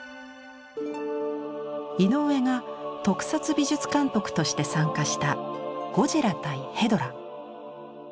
井上が特撮美術監督として参加した「ゴジラ対ヘドラ」。